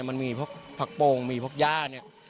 มันมีพวกผักโปรงมีพวกย่า